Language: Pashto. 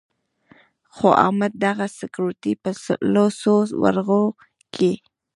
خو حامد دغه سکروټې په لوڅو ورغوو کې.